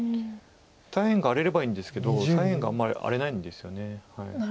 左辺が荒れればいいんですけど左辺があんまり荒れないんですよね。